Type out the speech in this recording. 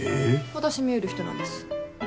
私見える人なんです。